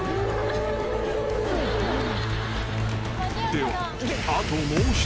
［では］